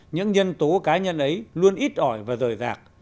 những nhân tố cá nhân ấy luôn ít ỏi và rời rạc